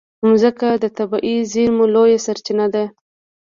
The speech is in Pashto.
مځکه د طبعي زېرمو لویه سرچینه ده.